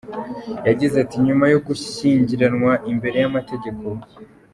Yagize ati” Nyuma yo gushyingiranwa imbere y’amategeko, ….